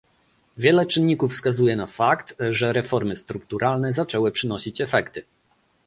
Wiele czynników wskazuje na fakt, że reformy strukturalne zaczęły przynosić efekty